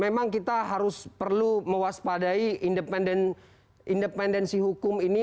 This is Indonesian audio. memang kita harus perlu mewaspadai independensi hukum ini